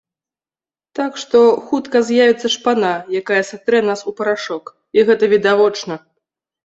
Так што, хутка з'явіцца шпана, якая сатрэ нас у парашок, і гэта відавочна!